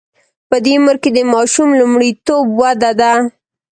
په دې عمر کې د ماشوم لومړیتوب وده ده.